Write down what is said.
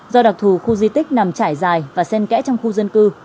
do đặc thù khu di tích nằm trải dài và sen kẽ trong khu dân cư